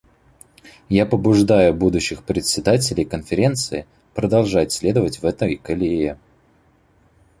Я побуждаю будущих председателей Конференции продолжать следовать в этой колее.